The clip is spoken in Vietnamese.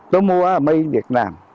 tôi mua mây việt nam